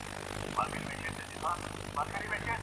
رواني مشوره څنګه ورکول کیږي؟